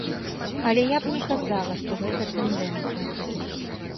Але я б не казала, што гэта тэндэнцыя.